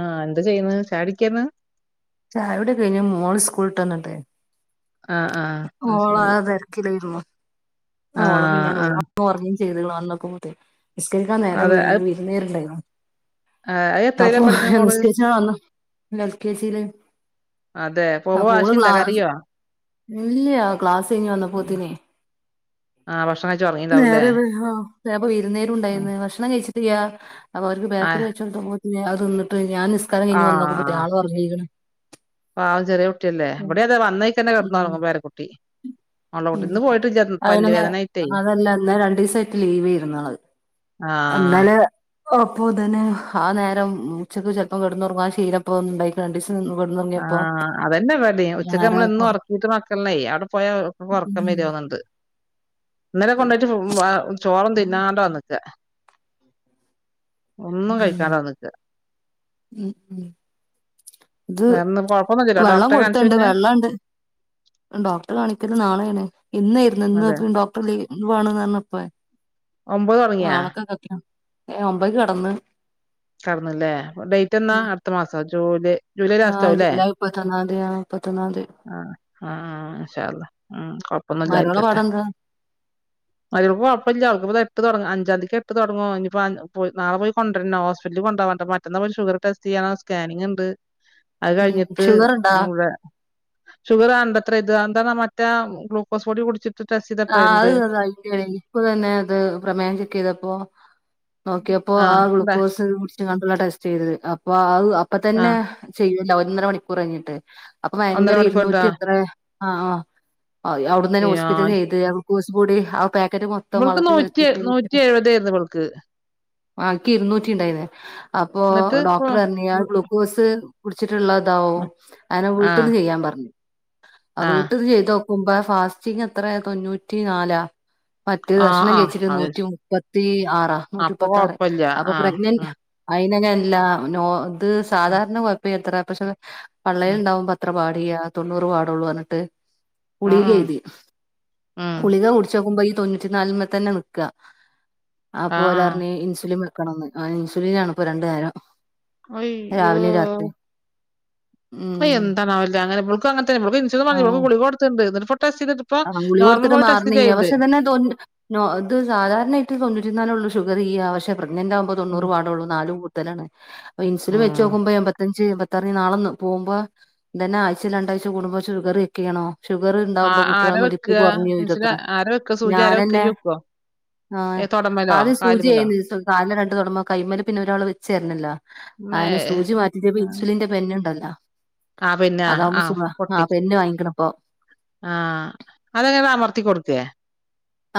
ആഹ, എന്താ, ചെയ്യന്ന്, ചാടിക്കന്ന് ചായോടിക്കെ, കഴിഞ്ഞു, മോള, സ്കൂളിട്ട്, വന്നട്ടെ ആഹ് ആഹ് ആഹ് ഓള, ശരി തിരക്കിലായിരുന്നു. ആ, ഓള ആഹ് പിന്നെ ആഹ് ഓഞ്ഞയും, ചെയ്തളാ എന്നൊക്കെ, പോ, നിസ്കരിക്കാൻ, നേരം, അതെ അത് വിരുന്നേരുണ്ടായി അത് എത്രയിലാ അപ്പൊ, പഠിക്കണ ഹ്ഹ, മോള് നിസ്കരിച്ചാൻ, വന്ന, എൽ, കെ, ജിയില അതെ, പ, പോമ്പോ, വാശിണ്ടോ, കരയോ. ഇല്ലയ, ക്ലാസ്, കഴഞ്ഞ്, വന്നപോത്തിനേ. ആഹ, ഭക്ഷണം, കഴിച്ചു, ഉറങ്ങീണ്ടാവൂല്ലേ. അ, പ്പൊ, ഇരുന്നേരും, ഉണ്ടായിന്ന്, ഭക്ഷണം, കഴിച്ചിട്ട്യാ, അപ്പൊ, അവർക്ക്, ബേക്കറി, ആഹ് കഴിച്ചോട്ടോ അതന്നിട്ട്, ഞൻ, നിസ്കാരം, ക ഇിഞ്, വന്നോക്ക്പ ആയാള്, ഒറങ്ങീക്ക്ന. പാവൻ, ചെറിയ, കുട്ടിയല്ലേ, ഇവിടെ, അതെ, വന്നേക്കന്നെ, ഉം കിടന്നുഒറങ്ങും, പേരകുട്ടി. ങ്ങളോട്ന്ന്, പോയിട്ടില്ല അയ്, പല്ല് വേദനായിട്ടേ അതല്ല, എന്ന, രണ്ട, ദിവസമായിട്ട്, ലീവ്, ഇരുന്നുള്ളത്, ആഹ് എന്നാല് അപ്പോ, തന്നെ, ആ, നേരം, ഉച്ചക്ക്, ചിലപ്പം, കിടന്നുറങ്ങാ, ആ ശീലപ്പ ഒന്നുണ്ടായിണ്ടി ആഹ്, അതന്നെ, ഇവടേം, നേരായപ്പോ ഒച്ചക്കമ്മളെന്നും, ഒരകീട്ട്, മക്കളേ, അവടെ പോയ, ഉം ഒരാൾക്ക ണ്ട്. ഇന്നലെ, കൊണ്ടോട്ട്, വ, ചോറും തിന്നാണ്ട, വന്നിക്ക. ഒന്നും, ഉം കഴിക്കാണ്ട, വന്നിക്ക. ഉം ഉം ഇത് വെള്ളം, കൊടുത്തണ്ട്, വെള്ളംണ്ട്, ഡോക്ടർ, കാണിക്കത്, നാളെയാണ്. ഇന്നായിരുന്നു, അതെ ഇന്ന്, ഡോക്ടർ, ലീ, വേണന്ന്, പറഞ്ഞപ്പോ. ഒമ്പത്, തുടങ്ങിയാ? ഒമ്പക്ക്, കിടന്ന്. കടന്നല്ലേ, ഡേറ്റ് എന്നാ, ഉം അടുത്ത, മാസം, ജൂലയ് ആഹ്, ജൂലൈ, മുപ്പത്തി ഒന്നാം, തീയതിയാ ആഹ്, ആ, ആഹ്, ആഷള്ള, ഉം, കൊ മരോളെ പ്പൊന്നില്ലാരിക്കട്ടെ, പാടെന്താ അൾക്ക്, കൊഴപ്പില്യ, അവക്ക്, ഇപ്പ ദേ, എട്ട്, തുടങ്ങ അഞ്ചാംതിയ്ക്ക് എട്ട് തൊടങ്ങോ ഇനിയിപ്പോ അഞ്ചന്തിക്ക്, എട്ട്, തൊടങ്ങും, പോയ്‌, നാള പോയ്, കൊണ്ടരണം, ഹോസ്പിറ്റലിൽ, കൊണ്ട്പോകാനായ്ട്ട്, മറ്റന്ന, മോല്, ഷുഗറ്, ടെസ്റ്റ് ചെയ്യാനോ സ്കാനിങ്, ണ്ട്, അത്, ഉം കഴിഞ്ഞിട്ട്, ഷുഗർണ്ടാ വ്ടെ ഷുഗറ്, അണ്ടത്ര, ഇത് അത് എന്താണ്, മറ്റേ, ഗ്ലൂക്കോസ്, പൊടി, കുടിച്ചിട്ട് ടെസ്റ്റ് ചെയ്തപ്പഴേ ആഹ്, ഇണ്ട് അത് [unintelligible] ഇപ്പൊ, തന്നെ, അത്, പ്രമേഹം, ചെക്ക്, ചെയ്തപ്പോ നോക്കി, അപ്പോ, ആ, ആഹ് എന്താ ഗ്ലൂക്കോസ്, കുടിച്ച്, എങ്ങാണ്ടുള്ള, ടെസ്റ്റ്, ചെയ്തത്, അപ്പൊ, ആഹ് അ അപ്പൊ, തന്നെ, ആഹ് ചെയ്യല്ലോ, ഒന്നര, മണിക്കൂർ, കഴിഞ്ഞിട്ട്, അപ്പൊ, ഒന്നര ഭയങ്കര, മണിക്കൂർട്ടാ ഇരുന്നൂറ്റി, എത്രയോ ആഹ്, ആഹ്, അവിട്ന്നന്നെ, ഏഹ് ഹോസ്പിറ്റലിന്ന്, ചെയ്ത്, അപ്പ, കുച്ചു കൂടി ആ പാക് ഇക്കര്, മൊത്തം, ഇവൾക്ക് വള്ളത്തി, നൂറ്റി കൽക്കിട്ട്, കു നൂറ്റി [unintelligible] എഴുപതായിരുന്നു ഇവൾക്ക് ബാക്കി, ഇരുന്നൂറ്റി, ഇണ്ടായിന്ന്, അപ്പോ, എന്നിട്ട് ഡോക്ടർ, അറഞ്, ആ, ഗ്ലൂക്കോസ്, കുടിച്ചി ഉള്ളതാവും അങ്ങനെ ആഹ് വീട്ടിന്ന് ചെയ്യാൻ പറഞ്ഞ ആഹ് വീട്ടന്ന് ചെയ്തോ മുമ്പ ഫാസ്റ്റിങ്ങ് എത്രയ തൊണ്ണൂറ്റി നാലാ മറ്റ് ആഹ് ഭക്ഷണം ആഹ് കഴിച്ചിട്ട് അത് നൂറ്റി മുപ്പത്തി ആറാ നൂറ്റി അപ്പൊ മുപ്പത്തി ആറ് കൊഴപ്പല്ല അപ്പൊ ആഹ് പ്രഗ്നന്റ് ആഹ് അയിന്നെല്ല നോ ഇത് ഉം സാധാരണ കൊഴപ്പില്ലത്ര പക്ഷെ പള്ളയിൽ ഉം ഉണ്ടാവുമ്പോ അത്ര ട്ട പാടിയ തൊണ്ണുറ് പാടുള്ളു എന്ന് എന്നിട്ട് ആഹ് ഗുളിക ആഹ് എയ്തി ഉം ഗുളിക കുടിച്ചു നോക്കുമ്പ ഈ തൊണൂറ്റി നാല്മ്മെ തന്നെ നിക്ക്കാ അപ്പൊ ആഹ് അവര് ആഹ് പറഞ് ഇൻസുലിമ് വെക്കണം ക്കണന്ന് ആ ഇൻസുലീനാണിപ്പൊ രണ്ടു നേരം അയ്യോ രാവിലെയും രാത്രിയും അ ഉം എന്താണാവില്ലേ അങ്ങനെ ഇവൾക്കും അങ്ങന തന്നെ ഇവൾക്കും ഇൻസുലിൻ പറഞ് ആഹ് ഇവൾക്കും ഗുളിക കൊടുത്തിട്ട്ണ്ട് ഇത് ആഹ് ഗുളി കൊടുത്തിട്ട് മാറ്ന്നില്ല ചെയ്ത് പക്ഷെതന്നെ തൊണ്ണു ആഹ് അത് സാധാരണായിട്ട് തൊണ്ണുറ്റിന്നാലോള്ളൂ ഷ് ഷുഗറിയാ പക്ഷെ പ്രെഗ്നന്റ് ആകുമ്പോ ഉം തൊണ്ണൂറ് പാടുള്ളൂ നാല് കൂടുത്തലാണ് ഇൻസുലിൻ വെച്ച് ഉം നോക്കുമ്പോ എമ്പത്തഞ്ച് എമ്പത് ത്തറഞ് നാളെന്ന് പോകുമ്പാ ദന്നെ ആഴ്ച രണ്ടാഴ്ച കൂടുമ്പോ ഷുഗറ് ചെക്ക്ചെയ്യണോ ഷുഗറ്ണ്ടാവുമ്പോ ആഹ് കുട്ട് ട്ടിട ആരാ വെക്ക മിടിപ്പ് കുറഞ് ഇൻസുലിൻ വരുവത്രെ ആരാ വെക്ക സൂചി ആരാ വെക്ക ഞാനെന്നെ ഇയ്യ് വെക്കോ ആഹ് ഏഹ് തൊടമ്മലോ ആദ്യം സൂചി കാലുമ്മലോ ആയിരുന്നു ദിവസം കാല്ലെ രണ്ടു തൊടമ്മേ കൈയ്മല് പിന്നെ ഒരാള് വെച്ചേരണല്ലോ ഇമ്മേ അങ്ങനെ സൂചി മാറ്റിട്ട് ഇപ്പം ഇൻസുലിന്റെ പെന്നുണ്ടല്ലോ ആഹ് പിന്ന ആഹ് പൊട്ടി ആഹ് പെന്ന് വാങ്ങിക്കണിപ്പോ ആഹ് അതെങ്ങനെ അമർത്തി കൊടുക്കേ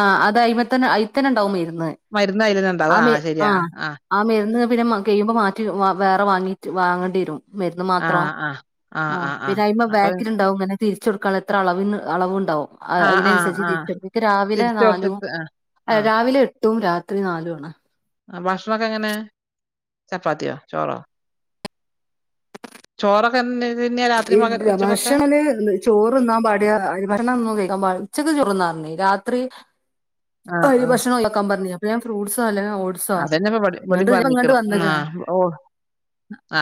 ആഹ് അത് അയ്മതന്നെ അയിത്തന്നെ ഉണ്ടാവും മരി ന്ന് മരുന്ന് അയിലെന്നെ ഇണ്ടാവും ആമര് ശരിയാ ആഹ് ആ മരുന്ന് പിന്നെ കഴിയുമ്പോ മാറ്റ് റ്റ് വ വേറെ വാങ്ങിട്ട് വാങ്ങേണ്ടി വരും മരുന്ന് മാത്രം ആഹ് പിന്നെ അയിമ ബാക്കിലുഉണ്ടാവും ഇങ്ങനെ തിരിച്ചൊടുക്കാൻ എത്ര അളവി അളവുണ്ടാവും ആ, ആ, അതിനനുസരിച്ച് ആ. തിരിച്ചെടുക്ക രാവിലെ തിരിച്ച് നാലും കൊടുത്തിട്ട് ആ. ആ. രാവിലെ എട്ടും രാത്രി നാലു ആണ് ആഹ് ഭക്ഷണൊക്കെ എങ്ങനെ ചപ്പാത്തിയോ ചോറോ ചോറൊക്കന്നെ ഈ ഭക്ഷണല് ചോറ്ന്നാ പാടിയ ഭക്ഷണോന്നും കഴിക്കാൻ പാടില്ല ഉച്ചക്ക് ചോറ്ന്നാപറഞ് രാത്രി ആ, അരി ആ. ഭക്ഷണം ഒഴിവാക്കാൻ പറഞ് അപ്പൊ ഞാൻ ഫ്രൂട്ട്സ് നല്ല ഓഡ്സോ അതന്നെപ്പ ഇവടെ ഇവടിം ഇങ്ങട്ട് ഇങ്ങോട്ട് പറഞ്ഞിക്ക്ണ്. ആ. വന്നെക്കണ് ഓ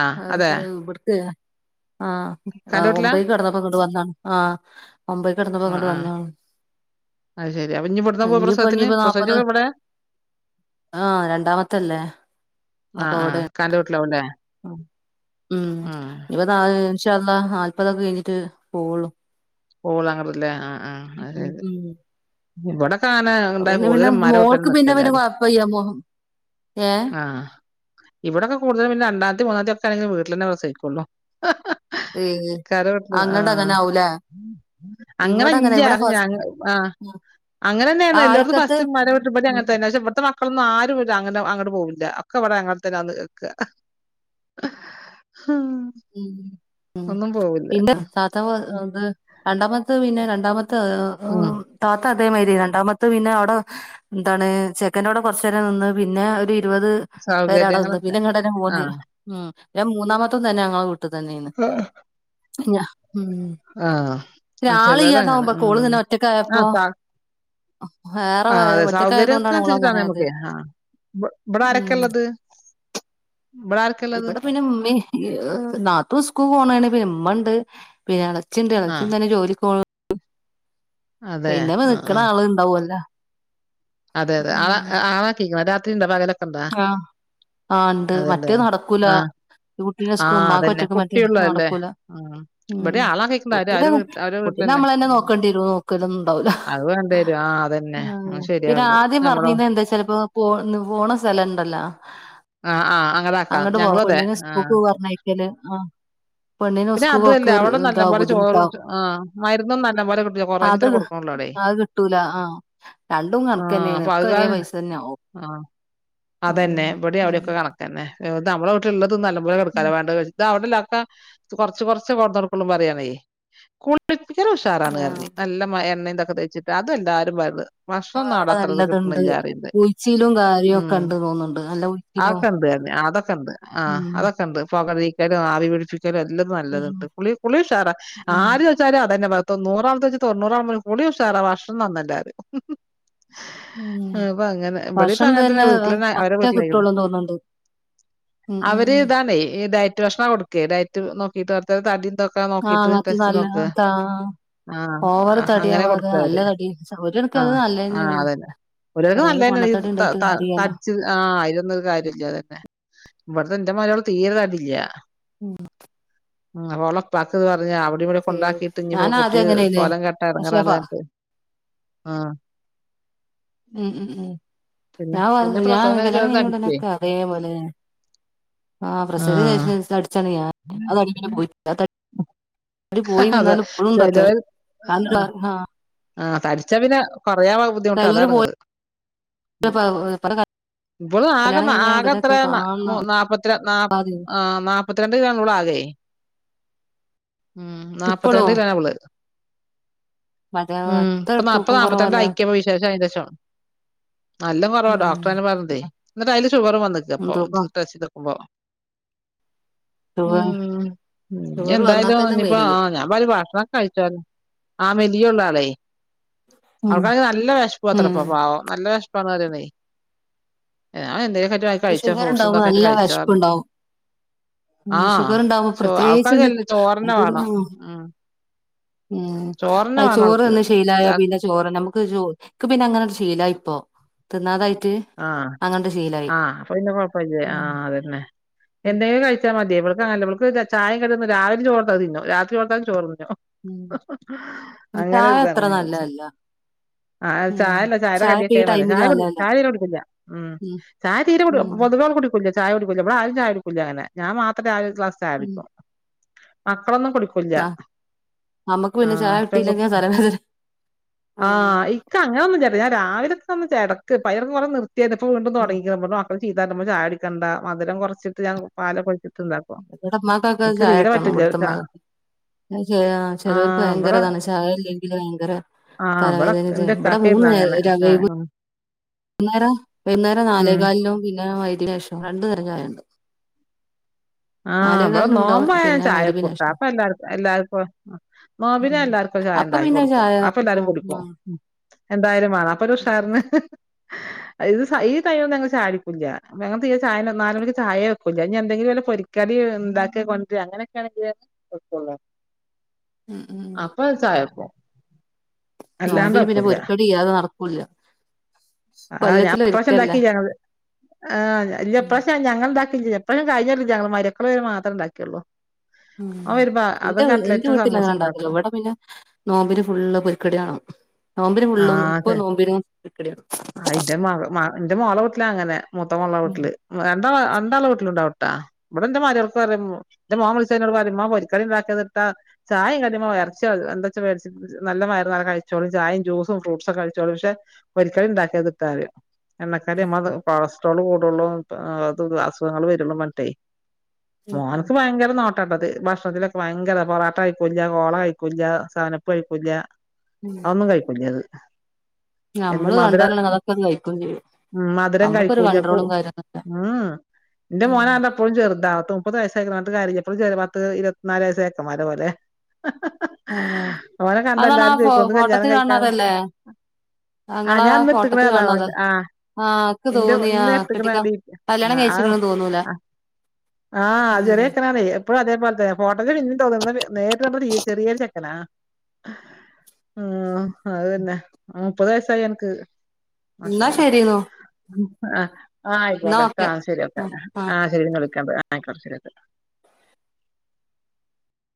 ആ. അതെ? അതക്ക ഇവിടുത്തലെ ഇക്കാന്റെ ആഹ് വീട്ടിലാ? ഒമ്പൈ കിടന്നപ്പങ്ങോട്ട് വന്നാണ് ആ ഒമ്പൈ ആ, കിടന്നപ്പങ്ങോട്ട് ആ. വന്നാണ് അത് ശരി അപ്പ ഇഞ്ഞി ഇവിട്ന്ന പോവ ഇഞ്ഞിപ്പോ പ്രസവത്തിന് ഇഞ്ഞിപ്പോ നാപ്പത് പ്രസവിച്ചത് ഇവിടെയ ആഹ് രണ്ടാമത്തല്ലേ ആ, അപ്പൊ ആ. ഇവിടെയാ ഇക്കാന്റെ വീട്ടിലാവുംല്ലേ? ഉം ഇവത ൻഷള്ളാ നാല്പതൊക്കെ കഴിഞ്ഞിട്ട് പോകുള്ളൂ പോകൊളങ്ങോട്ടല്ലേ ആഹ് ഉം ഇവിടെക്കൊന ഇണ്ടായ പിന്നെ കൂടുതൽ പിന്നെ ഇമ്മാരെ വീട്ടിൽ ആണ് മോൾക്ക് പിന്നെ പിന്നെ നിൽക്കൽ കൊഴപ്പല്ല മോ ഏ ആ ഇവിടെയൊക്കെ കൂടുതലും പിന്ന രണ്ടാമത്തി മൂന്നാത്തി ഒക്കെ ആണങ്ക വീട്ടിൽ തന്നെ ക്കൊള്ളും ഏ കരവട്ട അങ്ങട്ട് ആഹ അങ്ങനെ ആവൂലേ അങ്ങനെ ഇവിടെ ഇവിടെ ഇല്ലറ് ഞ ഫസ് ആഹ അങ്ങനെ ആ തന്നെയന്ന എല്ലാവടും ആയിക്കത്ത് ഫസ്റ്റ് മ്മന്റോടി അങ്ങന ഉം തന്നെ ഇവിടെ അത്ത മക്കളൊന്നും ആരും അങ്ങനെ അങ്ങട്ട് പോവില്ല ഒക്കെ അവിടെ അങ്ങനെ തന്നെന്ന് കേക്കുക മ്മ്..... ഉ ഉ ഒന്നും പോവില്ല പിന്നെ സാത്തത് രണ്ടാമത്തെ പിന്നെ രണ്ടാമത്തെ അ ഉം താത അതരി രണ്ടാമ പിന്നെ അവിടെ എന്താണ് ചെക്കൻട്ടോടെ കൊറച്ച നേരം നിന്ന് പിന്നെ ഒരു ഇരുപത് പേരടന്ന് സൗകര്യങ്ങളൊക്കെ പിന്നെ ഇങ്ങട്ടന്ന ആ മൂന്ന് ഉ ഞാൻ മൂന്നാമത്തും തന്നെ ഞെ വിട്ട തന്നെയന്ന് ആ ആ ഒരാളെ ചിലരങ്ങനെ ഇല്ലാതാവുമ്പോ ഉം കോള നിന്നെ ഒറ്റക്ക ആ ആയപ്പോ സ ആ അതെ ഓള് സൗകര്യക്കെൻസച്ചിട്ടാണ് അങ്ങനായത് ഞമക്കെ ആ ഇ ഉം ഇബ്ടാരൊക്കെള്ളത് ഇവിടെ പിന്നെ ഉമ്മേ യ് നാത്തു ഉസ്കൂ പോണാണ് പിന്ന്മ്മണ്ട് പിന്നെ ആ [unintelligible] അതെ പിന്നെ ആ മെനിൽക്കണ ആ ആള് ഇണ്ടാവല്ല അതെ അതെ ആളാ ആളാക്കിക്ക്ണ രാത്രിണ്ട [unintelligible] ആ ആ ണ്ട് മറ്റേ നടക്കൂല ആ ആ കുട്ടീനെസ്കു അതന്നെ. മ്മാക്കൊറ്റക്ക് പറ്റു കുട്ടിയുള്ളതല്ലേ. നടക്കൂല ഉം. ഇവിടെ ആളെ കേക്കണ്ട അവര് അവരെ വീട്ടില് [unintelligible] അവരെ നെ വീട്ടിലന്നെ. അമ്മളന്നെ ഉം. നോക്കണ്ടിരു നോക്കലൊന്നുണ്ടാവൂല അത് വേണ്ടി വരും. ആ അതന്നെ. ആഹ അത് പിന്നെ ശരിയാണത്. ആദ്യം നമ്മളോ പറഞ്ഞീന്നെന്താച്ചലപ്പോ പോ പോണ സ്ഥലണ്ടല്ലോ അങ്ങതാക്കാം ഞങ്ങളുതെ ആ പറഞ്ഞയക്കല് ആ പെണ്ണിനും പിന്നെ അതുവല്ല ഉസ്കൂക്കൊക്കെ അവിടെ ഇതാവും നല്ലപോലെ ചോറ് ബുദ്ധിമുട്ടാവും ആ മരുന്നും നല്ലപോലെ കിട്ടു അത് കൊറേപ്രാവശ്യത്ത കൊടുക്കണള്ളൂ അടെേ അത് കിട്ടൂല ആ രണ്ടും ആ കണക്കന്നെയാണ് അപ്പൊ അത് ഒക്കെ ഒരേ കാരണം പൈസ തന്നെയ ആക്കും ആ അതെന്നെ ഇവിടെയവിടെയൊക്കെ ഉം കണക്കന്നെ നമ്മള് വീട്ടില്ള്ളത് നല്ലപോല കടക്കാല്ലാ വേണ്ടെ ഇതവിടെല്ലാതാ കൊറച്ച് കൊറച്ച് ആഹ് [unintelligible] [unintelligible] തേച്ച്ട്ട് അതുവെല്ലാരും [unintelligible] ഭക്ഷണം നാട അവിടെ അത്രത് നല്ലതുണ്ട് കിട്ട്ണില്ലാറേണ്ട് ഉഴിച്ചിലും കാര്യൊക്കെ ഉം ഉണ്ട് തോന്നുന്നുണ്ട് നല്ല ഉഴിച്ചിലും ആക്കെന്ത് അതൊക്കെണ്ട് ആ ഉം അതൊക്കെണ്ട് [unintelligible] ലും ആവി പിടിപ്പിക്കലും എല്ലാത് ഉം നല്ലത്ണ്ട് കുളി കുളി ഉഷാറാ ഉം ആര് ചോയ്ച്ചാലും അതന്നെ വെച്ച് തൊണ്ണൂറാമു കൂളിഷാറ ഭക്ഷണം നന്നല്ലാറയു ഉം പ്പങ്ങനെ ഇവിടെ ഇപ്പങ്ങനെ തന്നെ വീട്ടിൽന്നെ അവരെ പറ്റ വീട്ടിലായുവ കിട്ടുള്ളൂന്ന് തോന്നുന്നുണ്ട് ഉം ഉം അവര് ഉം ഇതാണേ ഈ ഡയറ്റ് ഭക്ഷണാ കൊടുക്കെ ഡയറ്റ് നോക്കിട്ട് [unintelligible] ക്ക ആഹ് നോക്കീട്ട് അങ്ങനത്തെ ടെസി നല്ല നോക്ക് ത ആ ഓവർ ആ അങ്ങനെ തടിയാവാതെ നല്ല കൊടുക്കാവര് തടി ഒരെണക്ക് ആ അത് ആ നല്ലതന്നെയാണ് അതന്നെ ഒരുവക കൊറേ നല്ലന്നെ പൊണ്ണത്തടി ത ഉണ്ടായിട്ട് ത കാര്യല്ല തച്ച് ആ അയിലൊന്നൊരു കാര്യല്ല അതന്നെ ഇവിടുത്തെ ന്റെ മരോള് തീരതടീല്ല്യ വഹ [unintelligible] അവിടിവിടെ കൊണ്ടാക്കിട്ട് ഇനിപ്പോ ഞാൻ കുട്ടി ആദ്യം അങ്ങനെയായിരുന്നേ കോലം കേട്ടാ പക്ഷെ ഇറങ്ങാ [inaudible] ആ ഉം ഉം ഉം ഞാൻ പിന്നെ ഞാൻ പ്രസവം കഴിഞ്ഞ കല്യാണം ചെലത് തടിക്കുവേ [unintelligible] അതേപോലെ ആ ആഹ് [unintelligible] അടിച്ചാണ് ഞാൻ [unintelligible] അടി പോയി അതെ നിന്നാലും ഇപ്പോഴുംണ്ടത്യാശം [unintelligible] ആ തടിച്ച പിന്നെ കൊറയാവാ ബുദ്ധിമുട്ട് തരൂര് പോയി അതാണ്ങ്ങത് [unintelligible] ഇപ്പോളു ആകെ കല്യാണം കഴിഞ്ഞാൽ ആകെത്ര ഉടനൊക്കെ കാണണം നാല്പ്പത്തിര നാ നാ നാപ്പത്തിരണ്ട് കിലോണ് വ്ളാകെ ഉം ഇപ്പളോ നാപ്പത്തിരണ്ട് കിലാണിവള് മറ്റേ ഉം എത്ര പ്പൊ തൂക്കം നാല്പ്പനാല്പത്തിണ്ട കുറവല്ലേ ആയിക്ക പ്പ വിശേഷയ്ന്ഷം നല്ലാം കുറവാ ഉം ഡോക്ടറന്ന പറഞ്ഞിതേ എന്നിട്ടയ്ല് ഷുഗർ വന്നിക്കപ്പൊ ഇത് തൂക്കം ടെസ്റ്റ് എയ്തക്കുമ്പോ ഷുഗർ ഉം - നി ഷുഗർ വന്നാൽ എന്തായാലും തന്നെ നീപ്പോ ആ മെലിയും ഞാ പറയും ഭക്ഷണൊക്ക കഴിചോൻ ആ യൊള്ളു ആളെ ഉം ആൾകാണങ്കി നല്ല വെശപ്പുവത്രെ ഉം പ്പോ പാവം. [unintelligible] കഴിച്ച ഷുഗർ ഫ്രൂട്ടസ് ഉണ്ടാവുമ്പോ തെക്കെയ്ട്ട് നല്ല കഴിച്ചാറഞ്ഞ് വിശപ്പുണ്ടാവും ആ ഉം ഷുഗർ ഉണ്ടാവുമ്പോ ചോ പ്രത്യേകിച്ചുണ്ട് ആൾക്കാണങ്കിചോറന്നെ വാണം ആ ഉം ഉം ചോറന്നെ [inaudible] വേണം ചോറ് അവൾക്ക് തിന്ന് ശീലായ രാത് പിന്നെ ചോറന്നെ അമുക്ക് ക്ക് പിന്നങ്ങനൊര് ശീലായിപ്പോ തിന്നാ [unintelligible] യ്ട്ട്അങ്ങണ്ട് ശീലാ- പിന്ന കൊഴപ്പില്ലേ ആ അതന്നെ എന്തെയു കഴിച്ചാ മതി [unintelligible] ചായ കടിന്ന്‌ രാവില ചോറ് ന്നും രാത്രി [unintelligible] [unintelligible] അങ്ങനെ ചായ ഒരു അത്ര [unintelligible] നല്ലതല്ല ആ ഉം ചായല്ല ചായ ഇപ്പ ഈ ടൈമില് നല്ലതല്ല [unintelligible] ഉം ചായ തീരെ ഉം കുടിപൊതുവെ [inaudible] ഒര് ക്ലാസ് ചായ [unintelligible] ഉം അം [unintelligible] കുടിക്കൂല്ല ആഹ് നമ്മക്ക് ആ പിന്നെ ചായ കിട്ടിയില്ലെങ്കി [unintelligible] തലവേദന ആ ആഹ് ഇക്കങ്ങനൊന്നുല്യട്ട ഞാൻ രാവിലെ - [unintelligible] നിർത്തിയത ഇപ്പൊ [unintelligible] ഉം തുടങ്ങി [unintelligible] [unintelligible] ഉമ്മ ചായ കുടിക്കണ്ടമധുരം കൊറച്ചിട്ട് ഞാൻ പാലൊക്കെ ഒഴി [unintelligible] [unintelligible] ചായിട്ടണോ പറ്റില്ല [unintelligible] [unintelligible] ആ ചെലോർക്ക് ഇവിടെ ഭയങ്കരതാണ് ചായല്ല്യങ്കിലും ഭയങ്കര [unintelligible] ആ ഇവിടെ തലവേദന എന്റെ ഇക്കാക്കേര്ന്നു അങ്ങനെ ആ [unintelligible] [unintelligible] വൈന്നേരം ഉം നാലേകാലിനും പിന്നെ [unintelligible] വൈ [unintelligible] രണ്ടു നേരം [unintelligible] ആ മ്മള് നാലേകാലിനുണ്ടാവും നോമ്പോയ [unintelligible] പിന്നെ മഗ്‌രിബിന് ശേഷം ഉം അപ്പൊ ഇണ്ടാക്കി പിന്നെ കൊടുക്കും ചായ അപ്പൊ ഇല്ലാരും ആഹ് കുടിക്കും ആഹ് എന്തായാലും മാണം അപ്പൊ ഒരുഷാറിന്. [unintelligible] [unintelligible] [unintelligible] ഈ ടൈം ഞങ്ങള് ചായുടിക്കുല്യ [unintelligible] നാല് മണിക്ക് ചായയെ [unintelligible] വല്ല പൊരി കറി ഉണ്ടാക്കി കൊണ്ട് ര് അങ്ങനെയൊക്കെയാണെങ്കി [unintelligible] ഉം ഉം അപ്പ ചായ [unintelligible] അല്ലാണ്ട് നോമ്പിന് പിന്നെ പൊരിക്കടിയ്യതെ നടക്കൂല്ല. ആഹാ ഞാൻ കൊല്ലത്തില് ഇപ്രാവശ്യം ഒരിക്കല്ലേ ഇണ്ടാക്കില [unintelligible] ഇപ്രാവശ്യ ഞങ്ങ [unintelligible] ഇല്യ ഇപ്പഴും കഴിഞ്ഞട്ടില്ല ഞങ്ങള് [unintelligible] മാത്രണ്ടാക്കിയുള്ളൂ ഉം ന്റെ ന്റെ വീട്ടില് സമൂസയും ഞാഉണ്ടാക്കൂല്ല ഉണ്ടാക്കും ഇവിടെ പിന്നെ നോമ്പിന് ഫുള്ള് പൊരിക്കടി വേണം [unintelligible] ഫുള്ളും മുപ്പത് നോമ്പിനും [unintelligible] മോള വീട്ടിലാ അങ്ങനെ മൂത്ത മോള ഉം വീട്ടില് ര രണ്ടാളെ വീട്ടിലുണ്ടാവട്ടെ [unintelligible] ൻ്റെമോ വിളിച്ചുകയിഞ്ഞ ന്നോട് പറയെം ഇമ്മാ പൊരിക്കാടിണ്ടാക്ക് [unintelligible] [unintelligible] എന്താച്ച മേടിച്ച് വയറ് [unintelligible] കഴിച്ചോളി ചായേം ജ്യൂസും ഫ്രൂട്സൊക്കെ [unintelligible] [unintelligible] [unintelligible] എണ്ണ കടി [unintelligible] [unintelligible] അസുഖങ്ങള് വരുന്നുപർനിട്ടേ [unintelligible] [unintelligible] ഭക്ഷണത്തിലൊക്കെ വയങ്കര പൊറാട്ട കഴിക്കൂല്യ കോള കഴിക്കൂല്യ സെവനപ്പ് കഴിക്കൂല്യ ഉം അതൊന്നും കഴിക്കുല്യ അത് എന്ത് നമ്മള് മധുര [unintelligible] അതൊക്കെ [unintelligible] കഴിക്കുചെയ്യും. ഉം മധുരം കഴിക്കൂല്യ [unintelligible] ഉം എന്റെ മോന എപ്പോളുംചെർതാ പത് മുപ്പത് വയസയി ഒരു കാര്യവും ഇല്ല ഇപ്പോഴും ചെ പത്ത് ഇരുപത്തിനാല് വയസായ ചെക്കന്മാരെ പോലെ ഹ ഹ ഓനെ കണ്ട അതാണ് ആ എല്ലാരും ഫോ ചോദിക്കുന്നുന്ന് കല്യാണം ഫോട്ടത്തിൽ കഴിക്ക കാണുന്നതല്ലേ ആഹ് ഇങ്ങളാ ഞാൻന്ന എട്ടക്കണ ഫോട്ടത്തിൽ കാണുന്നത് അതാവൻ്റെ ആഹ് ആഹ് ഇക്ക് എന്റെ തോന്നി ഇന്ന് ആഹ് എത്തിക്കുന്നീ കെട്ടിക്കാൻ കല്യാണം ആഹ് ആഹ് കഴിച്ചിക്കണന്ന് തോന്നൂല ആഹ് ആഹ് ഉം ചെറിയ ചെക്കൻ അന്നേ ഇപ്പോഴും അതേപോലത്തെ ഫോട്ട പിന്നീ തോന്നുന്ന നേരിട്ട ചെറിയൊരു ചെക്കനാ ആഹ അതന്നെ ആഹ് മുപ്പത് വയസ്സായി എനിക്ക് എന്നാ മാഷാഅല്ലാഹ്. ശരിന്നോ ആഹ എന്നാ ആയിക്കോട്ടക്ക ഓക്കെ ആ ശരിയക്കെ ആഹ് ആഹ് ആഹ ശരി വിളിക്കണ്ട്. ആക്ക ശരി.